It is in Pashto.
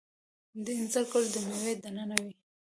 د انځر ګل د میوې دننه وي؟